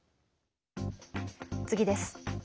次です。